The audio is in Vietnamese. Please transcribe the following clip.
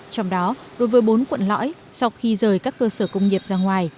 trong đó đối với bốn quận lõi sau khi rời các cơ sở công nghiệp ra ngoài